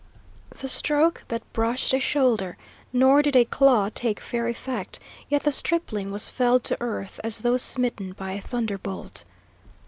The stroke but brushed a shoulder, nor did a claw take fair effect, yet the stripling was felled to earth as though smitten by a thunderbolt.